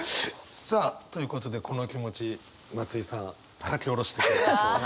さあということでこの気持ち松居さん書き下ろしてくれたそうで。